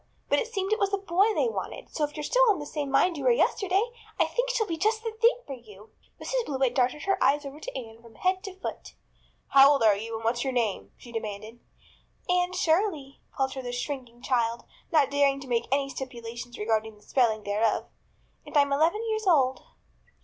But it seems it was a boy they wanted. So if you're still of the same mind you were yesterday, I think she'll be just the thing for you." Mrs. Blewett darted her eyes over Anne from head to foot. "How old are you and what's your name?" she demanded. "Anne Shirley," faltered the shrinking child, not daring to make any stipulations regarding the spelling thereof, "and I'm eleven years old."